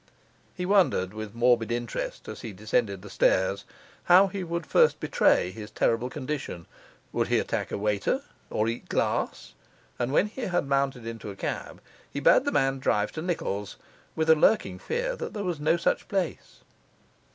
He wondered with morbid interest, as he descended the stairs, how he would first betray his terrible condition would he attack a waiter? or eat glass? and when he had mounted into a cab, he bade the man drive to Nichol's, with a lurking fear that there was no such place.